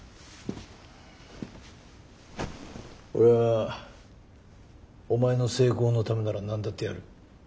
俺はお前の成功のためなら何だってやる。